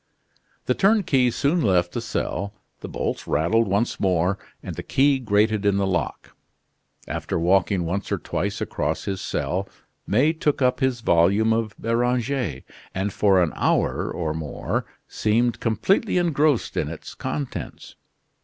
The turnkey soon left the cell; the bolts rattled once more, and the key grated in the lock. After walking once or twice across his cell, May took up his volume of Beranger and for an hour or more seemed completely engrossed in its contents.